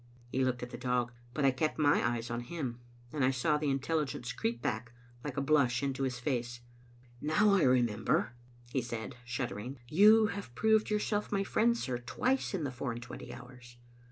He looked at the dog, but I kept my eyes on him, and I saw intelligence creep back, like a blush, into his face; "Now I remember," he said, shuddering. "You have proved yourself my friend, sir, twice in the four and twenty hours.